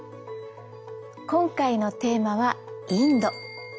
今回のテーマはインド。